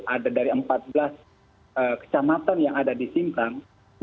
ada dari empat belas kecamatan yang ada di simpang